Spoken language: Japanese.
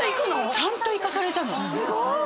ちゃんと行かされたのすごい！